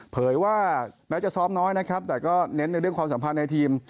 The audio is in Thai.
เผยว่าแม้จะซ้อมน้อยนะครับแต่ก็เน้นในเรื่องความสัมพันธ์ในทีม